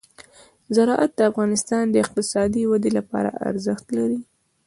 زراعت د افغانستان د اقتصادي ودې لپاره ارزښت لري.